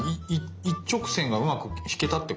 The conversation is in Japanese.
一直線がうまく引けたってこと？